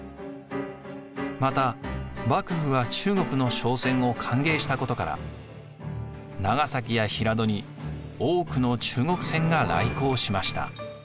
また幕府は中国の商船を歓迎したことから長崎や平戸に多くの中国船が来航しました。